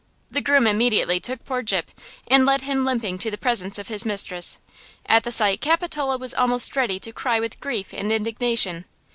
The groom immediately took poor Gyp and led him limping to the presence of his mistress. At the sight Capitola was almost ready to cry with grief and indignation.